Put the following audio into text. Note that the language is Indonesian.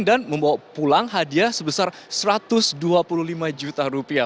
dan membawa pulang hadiah sebesar satu ratus dua puluh lima ribu dolar